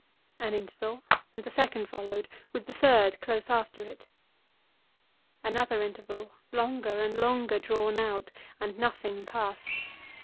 An interval—and the second followed, with the third close after it. Another interval, longer and longer drawn out—and nothing passed.